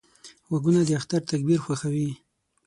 غوږونه د اختر تکبیر خوښوي